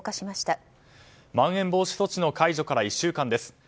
まん延防止措置の解除から１週間です。